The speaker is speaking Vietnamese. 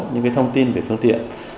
những cái thông tin về phương tiện